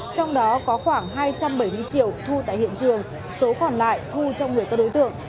trong đó có khoảng hai trăm bảy mươi triệu thu tại hiện trường số còn lại thu trong người các đối tượng